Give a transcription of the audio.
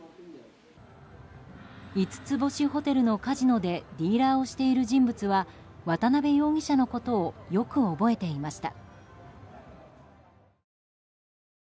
五つ星ホテルのカジノでディーラーをしている人物は渡邉容疑者のことをよく覚えていました。